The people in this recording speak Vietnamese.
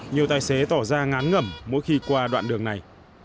nhiều tài xế tỏ ra ngán ngẩm mỗi khi qua đoạn đường này